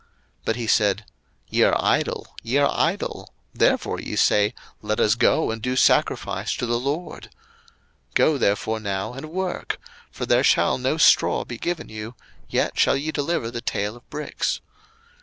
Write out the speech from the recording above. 02:005:017 But he said, Ye are idle, ye are idle: therefore ye say, Let us go and do sacrifice to the LORD. 02:005:018 Go therefore now, and work; for there shall no straw be given you, yet shall ye deliver the tale of bricks.